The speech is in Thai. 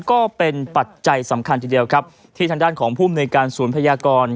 ปัจจัยสำคัญทีเดียวครับที่ทางด้านของภูมิในการศูนย์พยากร